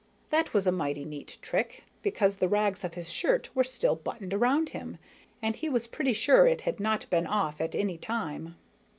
That was a mighty neat trick, because the rags of his shirt were still buttoned around him, and he was pretty sure it had not been off at any time.